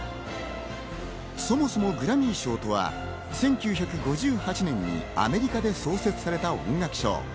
そもそもグラミー賞とは１９５８年にアメリカで創設された音楽賞。